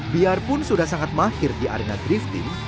biarpun sudah sangat mahir di arena drifting